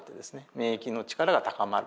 免疫のチカラが高まる。